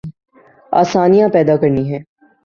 آسانیاں پیدا کرنی ہیں۔